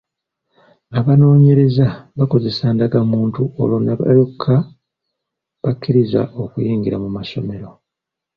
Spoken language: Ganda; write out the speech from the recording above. Abanoonyereza bakozesa ndagamuntu olwo ne balyoka bakkirizibwa okuyingira mu masomero.